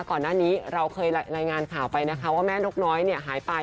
ก่อนหน้านี้เราเคยรายงานข่าวไปนะคะว่าแม่นกน้อยหายไป